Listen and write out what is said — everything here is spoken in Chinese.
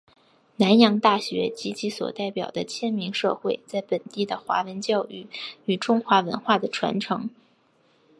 南洋大学及其所代表是迁民社会在本地的华文教育与中华文化的传承。